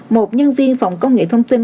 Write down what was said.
một nhân viên phòng công nghệ thông tin